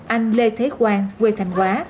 anh lê thế quang quê thành quá